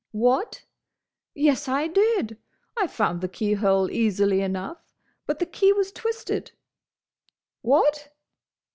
What? Yes, I did! I found the keyhole easily enough, but the key was twisted. What?"